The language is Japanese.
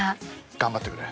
頑張ってくれ。